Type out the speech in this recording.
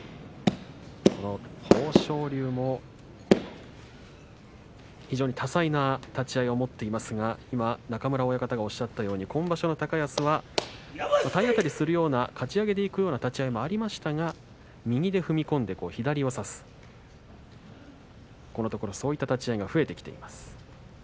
この豊昇龍も非常に多彩な立ち合いを持っていますが今中村親方がおっしゃったように今場所の高安は体当たりするようなかち上げでいくような立ち合いもありましたが右で踏み込んで左を差すこのところそういった立ち合いが増えてきています。